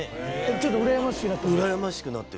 ちょっとうらやましくなって？